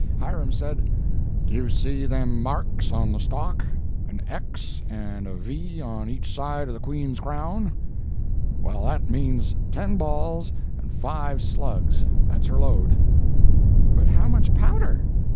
Hiram said, 'Do you see them marks on the stock—an X and a V on each side of a Queen's crown?—well, that means 10 balls and 5 slugs—that's her load. 'But how much powder?'